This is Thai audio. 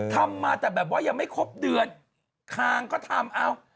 ทำมาแต่แบบว่ายังไม่ครบเดือนคางก็ทำเอา